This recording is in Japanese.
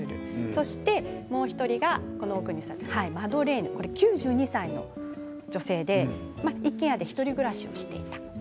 そしてもう１人がマドレーヌ９２歳の女性で一軒家で１人暮らしをしています。